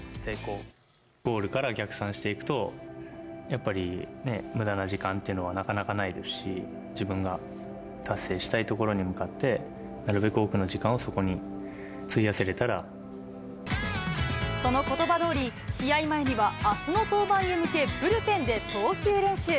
ゴールから逆算していくと、やっぱりね、むだな時間というのはなかなかないですし、自分が達成したいところに向かって、なるべく多くの時間をそこにそのことばどおり、試合前にはあすの登板へ向け、ブルペンで投球練習。